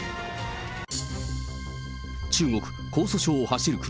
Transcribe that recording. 中国・江蘇省を走る車。